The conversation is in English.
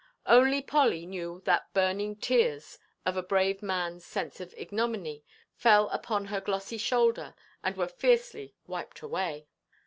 Only Polly knew that burning tears of a brave manʼs sense of ignominy fell upon her glossy shoulder, and were fiercely wiped way.